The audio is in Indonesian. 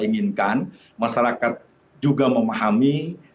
inginkan masyarakat juga memahami